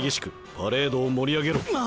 パレードを盛り上げろ。